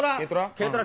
軽トラ？